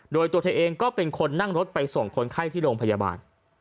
โดยตัวเธอเองก็เป็นคนนั่งรถไปส่งคนไข้ที่โรงพยาบาล